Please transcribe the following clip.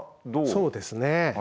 そうですね。